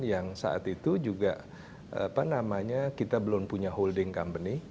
yang saat itu juga apa namanya kita belum punya holding company